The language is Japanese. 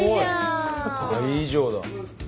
倍以上だ。